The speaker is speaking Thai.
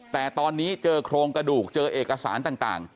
แต่ตอนนี้เจอโครงกระดูกเจอเอกสารต่าง